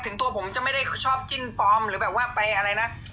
ตัวผมจะไม่ได้ชอบจิ้นปลอมหรือแบบว่าไปอะไรนะ